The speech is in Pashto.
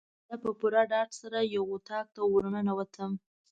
زه په پوره ډاډ سره یو اطاق ته ورننوتم.